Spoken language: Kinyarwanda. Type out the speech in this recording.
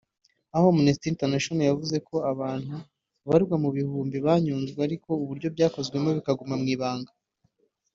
aho Amnesty International yavuze ko abantu babarirwa mu bihumbi banyonzwe ariko uburyo byakozwemo bikaguma mu ibanga